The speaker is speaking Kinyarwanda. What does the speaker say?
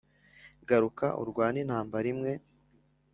garuka urwane intambra imwe